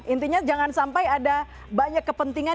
intinya jangan sampai ada banyak kepentingan